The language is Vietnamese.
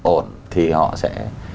ổn thì họ sẽ